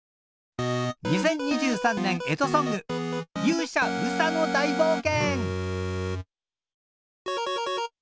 ２０２３年干支ソング「勇者うさの大冒険」！